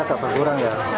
nanti akan berkurang ya